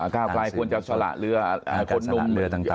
กลาวไกล่ควรจะสละเรือเราจะสละเรือต่าง